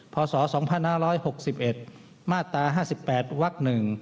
พศ๒๕๖๑มาตรา๕๘วัก๑